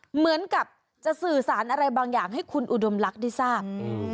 เหมือนกับจะสื่อสารอะไรบางอย่างให้คุณอุดมลักษณ์ได้ทราบ